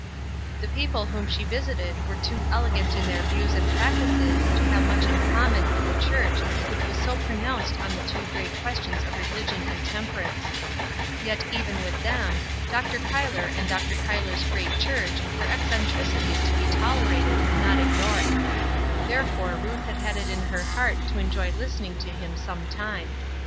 The people whom she visited were too elegant in their views and practices to have much in common with the church which was so pronounced on the two great questions of religion and temperance. Yet, even with them, Dr. Cuyler and Dr. Cuyler's great church were eccentricities to be tolerated, not ignored. Therefore Ruth had had it in her heart to enjoy listening to him sometime.